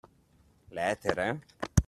L’etere?